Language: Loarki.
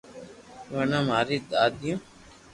ورنا ماري دآئيو